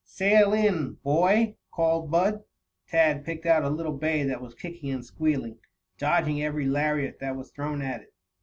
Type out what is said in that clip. "Sail in, boy!" called Bud. Tad picked out a little bay that was kicking and squealing, dodging every lariat that was thrown at it.